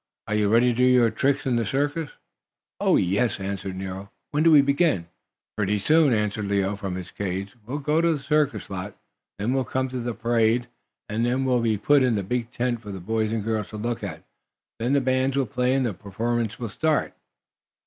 "Are you ready to do your tricks in the circus?" "Oh, yes," answered Nero. "When do we begin?" "Pretty soon," answered Leo from his cage. "We'll go to the circus lot, then will come the parade, and then we'll be put in the big tent for the boys and girls to look at. Then the bands will play and the performance will start."